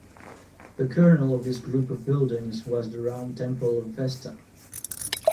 The kernel of this group of buildings was the round temple of Vesta.